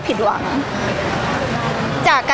พี่ตอบได้แค่นี้จริงค่ะ